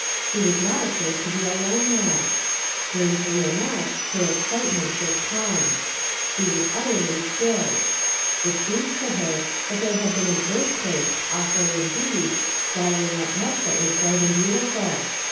She was not afraid to be alone now. Strangely enough her excitement was calmed. She was 256 From Different Standpoints. utterly stilled. It seemed to her that there had been an earthquake, awful indeed, swallowing up much that was bright and beautiful.